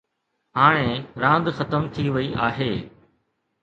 هاڻي راند ختم ٿي وئي آهي.